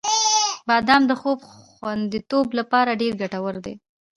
• بادام د خوب خوندیتوب لپاره ډېر ګټور دی.